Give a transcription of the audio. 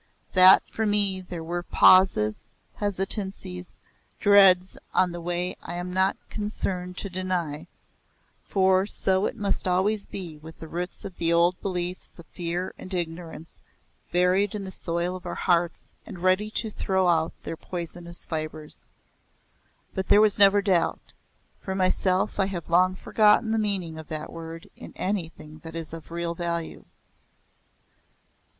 That for me there were pauses, hesitancies, dreads, on the way I am not concerned to deny, for so it must always be with the roots of the old beliefs of fear and ignorance buried in the soil of our hearts and ready to throw out their poisonous fibres. But there was never doubt. For myself I have long forgotten the meaning of that word in anything that is of real value.